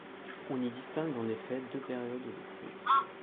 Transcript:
On y distingue en effet deux périodes de crue.